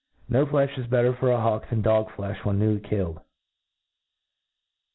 NO flcfli is better for a hawk than dog flcfh when newly killed.